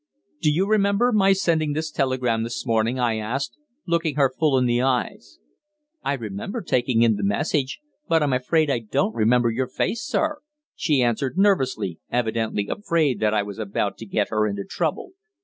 "Do you remember my sending this telegram this morning?" I asked, looking her full in the eyes. "I remember taking in the message, but I'm afraid I don't remember your face, sir," she answered nervously, evidently afraid that I was about to get her into trouble.